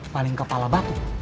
malu kan lu